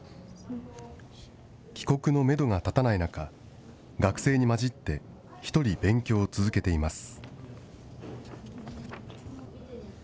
帰国のメドが立たない中、学生に混じって一人勉強を続けています。